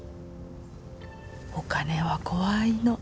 お金は怖いの。